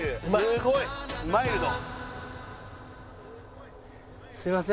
すごいマイルド。